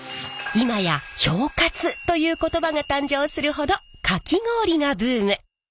今や氷活という言葉が誕生するほどかき氷がブーム。